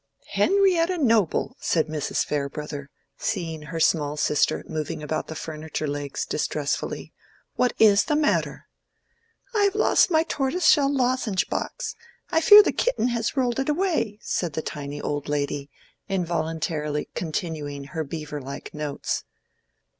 "Henrietta Noble," said Mrs. Farebrother, seeing her small sister moving about the furniture legs distressfully, "what is the matter?" "I have lost my tortoise shell lozenge box. I fear the kitten has rolled it away," said the tiny old lady, involuntarily continuing her beaver like notes.